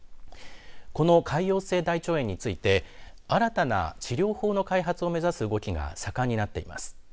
この潰瘍性大腸炎について新たな治療法の開発を目指す動きが盛んになっています。